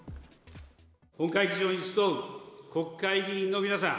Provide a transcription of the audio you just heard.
本会議場に集う国会議員の皆さん。